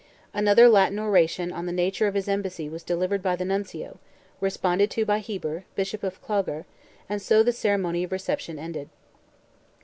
Another Latin oration on the nature of his embassy was delivered by the Nuncio, responded to by Heber, Bishop of Clogher, and so the ceremony of reception ended.